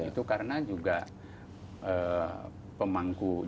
itu karena juga pemangku